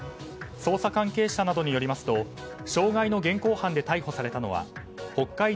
捜査関係者などによりますと傷害の現行犯で逮捕されたのは北海道